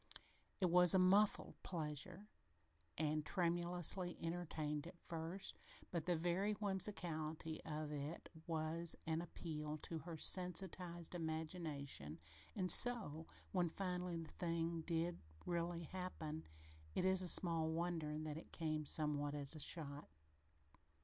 It was a muffled pleasure and tremulously entertained at first, but the very whimsicality of it was an appeal to her sensitized imagination, and so, when finally the thing did really happen, it is small wonder that it came somewhat as a shock.